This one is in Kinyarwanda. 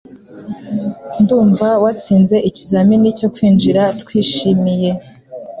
Ndumva watsinze ikizamini cyo kwinjira Twishimiye